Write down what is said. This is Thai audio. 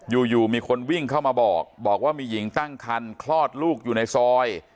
อยู่มีคนวิ่งเข้ามาบอกบอกว่ามีหญิงตั้งคันคลอดลูกอยู่ในซอย